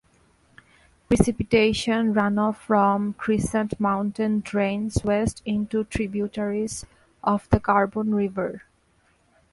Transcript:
Precipitation runoff from Crescent Mountain drains west into tributaries of the Carbon River.